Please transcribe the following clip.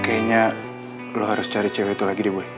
kayaknya lo harus cari cewek itu lagi deh bu